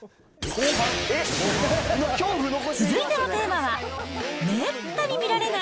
続いてのテーマは、めったに見られない！